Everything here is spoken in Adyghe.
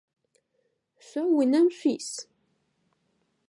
Шъо унэм шъуис?